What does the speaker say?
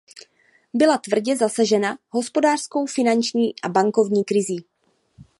Byla tvrdě zasažena hospodářskou, finanční a bankovní krizí.